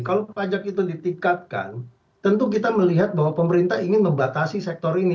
kalau pajak itu ditingkatkan tentu kita melihat bahwa pemerintah ingin membatasi sektor ini